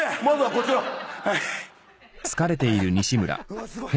うわっすごい。